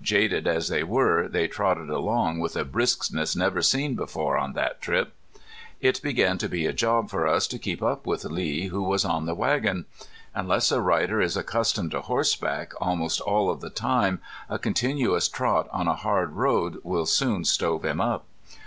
Jaded as they were they trotted along with a briskness never seen before on that trip. It began to be a job for us to keep up with Lee, who was on the wagon. Unless a rider is accustomed to horseback almost all of the time a continuous trot on a hard road will soon stove him up.